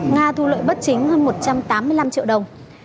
nga thu lợi bất chính hơn một trăm tám mươi năm triệu đồng